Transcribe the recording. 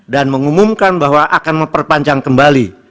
dan mengumumkan bahwa akan memperpanjang kembali